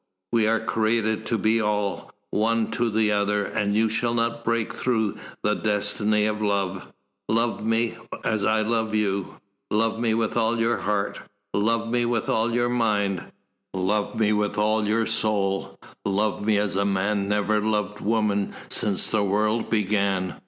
We are created to be all, one to the other, and you shall not break through the destiny of love. Love me, as I love you love me with all your heart, love me with all your mind, love me with all your soul, love me as man never loved woman since the world began!